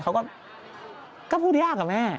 เขาก็ก็พูดยากอะแม่